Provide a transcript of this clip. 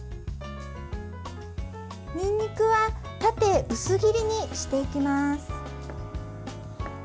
にんにくは縦薄切りにしていきます。